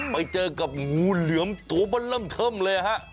ไปเจอกับงูเหลือมตัวมันเริ่มเทิมเลยฮะ